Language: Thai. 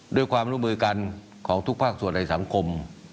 ด้วยความร่วมมือกันของทุกภาคส่วนในสังคม